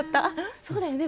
そうだよね。